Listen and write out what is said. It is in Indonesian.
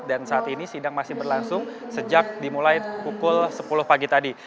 dan saat ini sidang masih berlangsung sejak dimulai pukul sepuluh pagi tadi